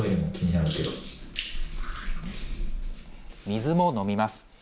水も飲みます。